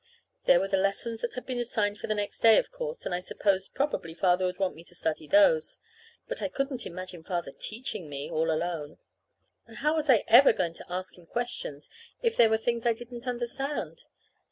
There were the lessons that had been assigned for the next day, of course, and I supposed probably Father would want me to study those. But I couldn't imagine Father teaching me all alone. And how was I ever going to ask him questions, if there were things I didn't understand?